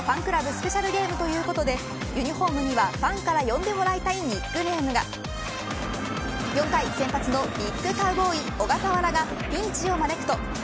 スペシャルゲームということでユニホームにはファンから呼んでもらいたいニックネームが４回、先発のビッグカウボーイ小笠原がピンチを招くと。